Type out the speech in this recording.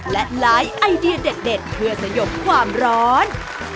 และไลฟ์ไอเดียเด็ดเพื่อสยบความร้อน